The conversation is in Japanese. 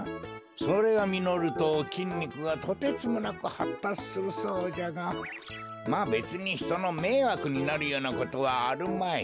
それがみのるときんにくがとてつもなくはったつするそうじゃがまあべつにひとのめいわくになるようなことはあるまい。